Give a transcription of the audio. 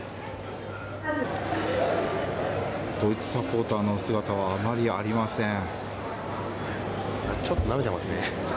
ドイツサポーターの姿はあまりありません。